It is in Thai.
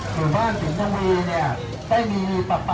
ด้วยเขตท้อมท้องนะครับ